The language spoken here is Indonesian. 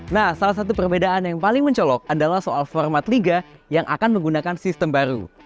nah salah satu perbedaan yang paling mencolok adalah soal format liga yang akan menggunakan sistem baru